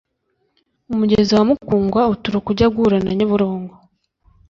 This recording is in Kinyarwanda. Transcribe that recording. umugezi wa mukungwa uturuka ujya guhura na nyabarongo